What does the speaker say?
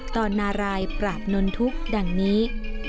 นารายปราบนนทุกข์ดังนี้